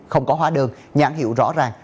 không có hóa đơn nhãn hiệu rõ ràng